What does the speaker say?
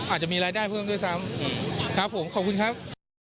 อาจจะมีรายได้เพิ่มด้วยซ้ำครับผมขอบคุณครับ